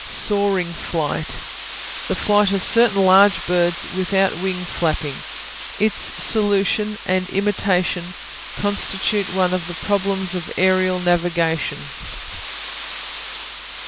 Soaring Flight The flight of certain large birds without wing flapping. Its solution and imitation constitute one of the problems of aerial navigation.